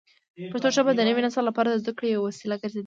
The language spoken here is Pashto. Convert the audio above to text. پښتو ژبه د نوي نسل لپاره د زده کړې یوه وسیله ګرځېدلې ده.